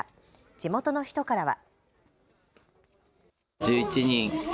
地元の人からは。